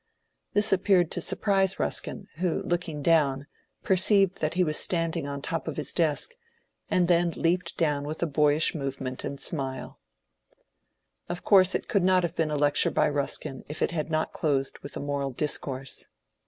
This appeared to surprise Buskin, who, looking down, per ceived that he was standing on the top of his desk, and tlien leaped down with a boyish movement and smUe. Of course it could not have been a lecture by Buskin if it had not closed with a moral discourse.